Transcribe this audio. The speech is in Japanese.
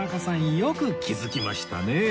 よく気づきましたね